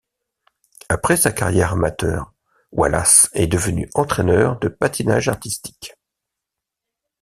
Après sa carrière amateur, Wallace est devenu entraîneur de patinage artistique.